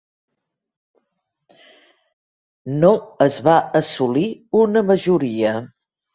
No es va assolir una majoria.